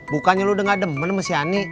bukannya lu udah gak demen sama si ani